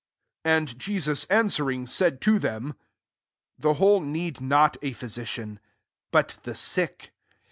31 And Jesus answering, said to them, ^* The whole need not a physician ; but the sick.